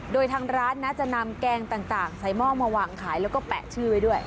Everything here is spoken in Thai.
โดยทางร้านนะจะนำแกงต่างใส่หม้อมาวางขายแล้วก็แปะชื่อไว้ด้วย